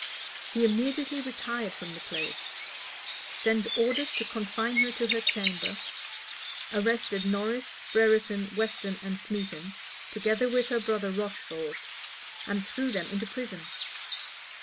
[*] He immediately retired from the place; sent orders to confine her to her chamber; arrested Norris, Brereton, Weston, and Smeton, together with her brother Rocheford; and threw them into prison.